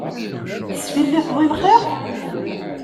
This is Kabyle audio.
Tesfilliteḍ i lxir?